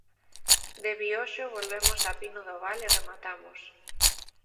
De Vioxo volvemos a Pino do Val e rematamos.